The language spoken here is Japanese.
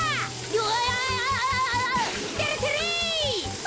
うわ。